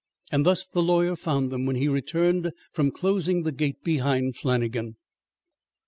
And thus the lawyer found them when he returned from closing the gate behind Flannagan.